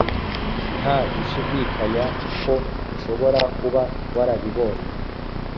Nta gushidikanya ko ushobora kuba warabibonye